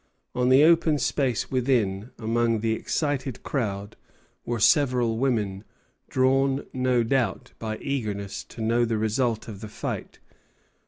On the open space within, among the excited crowd, were several women, drawn, no doubt, by eagerness to know the result of the fight.